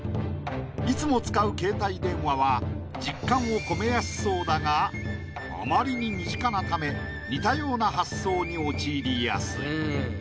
いつも使う携帯電話は実感を込めやすそうだがあまりに身近なため似たような発想に陥りやすい。